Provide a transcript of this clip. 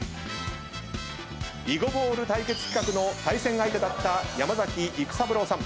囲碁ボール対決企画の対戦相手だった山崎育三郎さん。